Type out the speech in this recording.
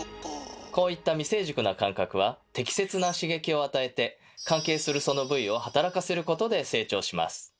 こういった未成熟な感覚は適切な刺激を与えて関係するその部位を働かせることで成長します。